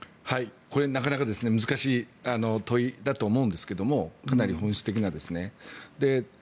これはなかなか難しい問いだと思うんですけどかなり本質的なですね。